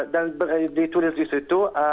dan ditulis disitu